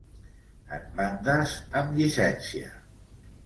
En bandes amb llicència.